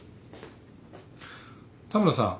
田村さん。